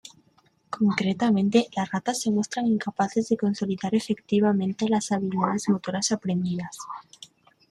Concretamente, las ratas se muestran incapaces de consolidar efectivamente las habilidades motoras aprendidas.